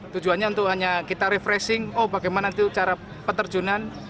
tujuannya untuk hanya kita refreshing oh bagaimana itu cara peterjunan